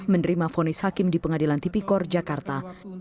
menerima fonis hakim di pengadilan tipikor jakarta